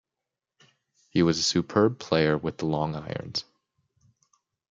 He was a superb player with the long irons.